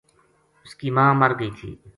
اس کی ماں مر گئی تھی